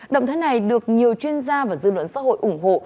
động thái này được nhiều chuyên gia và dư luận xã hội ủng hộ